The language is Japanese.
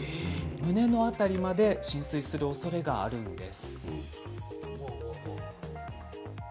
胸の辺りまで浸水するおそれがあります。